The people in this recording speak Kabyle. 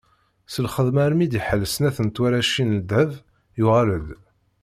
S lxedma almi d iḥal snat n twaracin n ddheb, yuɣal-d.